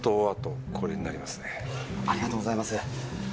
ありがとうございます。